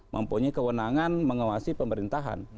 mampunya kewenangan mengawasi pemerintahan